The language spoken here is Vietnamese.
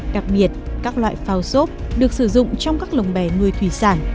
đặc biệt các loại phao xốp được sử dụng trong các lồng bè nuôi thủy sản